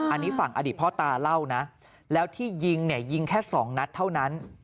อันนี้ฝั่งอดีตพ่อตาเล่านะแล้วที่ยิงเนี่ยยิงแค่สองนัดเท่านั้น